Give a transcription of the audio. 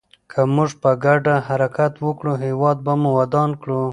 که موږ په ګډه حرکت وکړو، هېواد به ودان کړو.